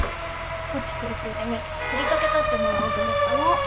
こっち来るついでにふりかけ取ってもらおうと思ったの。